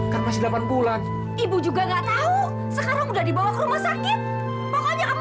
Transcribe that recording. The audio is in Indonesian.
kan masih delapan bulan ibu juga nggak tahu sekarang udah dibawa ke rumah sakit pokoknya kamu